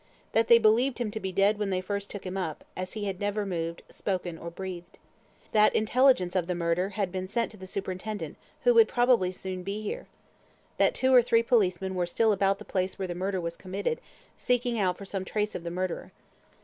That they believed him to be dead when they first took him up, as he had never moved, spoken, or breathed. That intelligence of the murder had been sent to the superintendent, who would probably soon be here. That two or three policemen were still about the place where the murder was committed, seeking out for some trace of the murderer.